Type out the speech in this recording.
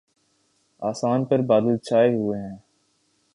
آسان پر بادل چھاۓ ہوۓ ہیں